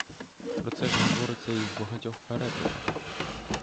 Про це ж говориться й у багатьох переказах.